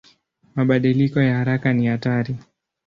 Mabadiliko ya haraka ni hatari.